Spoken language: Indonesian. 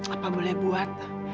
apa boleh buat